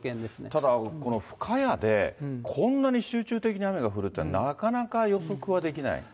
ただ、この深谷で、こんなに集中的に雨が降るというのはなかなか予測はできない。